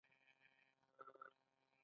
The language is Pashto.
خدای دې اجر عظیم ورکړي.